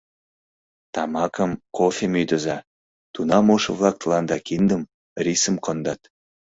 Тамакым, кофем ӱдыза, тунам ошо-влак тыланда киндым, рисым кондат.